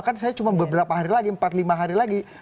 kan saya cuma beberapa hari lagi empat lima hari lagi